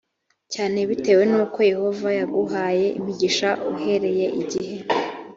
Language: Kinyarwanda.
cyane bitewe n uko yehova yaguhaye imigisha uhereye igihe